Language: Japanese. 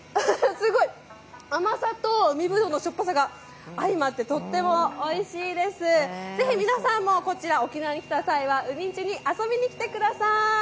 すごい甘さと海ぶどうのしょっぱさが相まってとってもおいしいです、ぜひ皆さんもこちら沖縄に来た際は、海ん道に遊びにきてください！